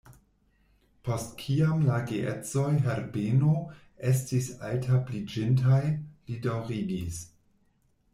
Post kiam la geedzoj Herbeno estis altabliĝintaj, li daŭrigis: